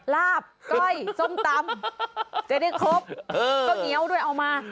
ลาบก้อยส้มตำจะได้ครบข้าวเหนียวด้วยเอามา